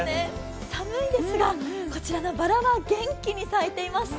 寒いですが、こちらのバラは元気に咲いています。